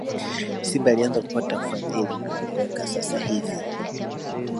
simba ilianza kupata ufadhili unaoeleweka sasa hivi